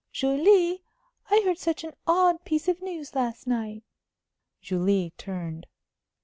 "Julie, I heard such an odd piece of news last night." Julie turned.